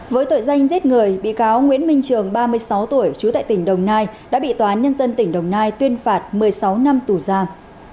với tội danh giết người bị cáo nguyễn minh trường ba mươi sáu tuổi trú tại tỉnh đồng nai đã bị tòa án nhân dân tỉnh đồng nai tuyên phạt một mươi sáu năm tù giam